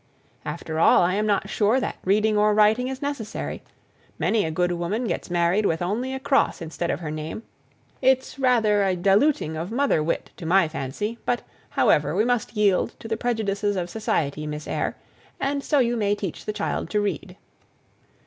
After all, I'm not sure that reading or writing is necessary. Many a good woman gets married with only a cross instead of her name; it's rather a diluting of mother wit, to my fancy; but, however, we must yield to the prejudices of society, Miss Eyre, and so you may teach the child to read."